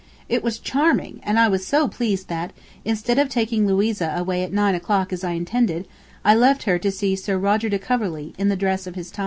It was charming, and I was so pleased that, instead of taking Louisa away at nine o'clock as I intended, I left her to see "Sir Roger de Coverly," in the dress of his time.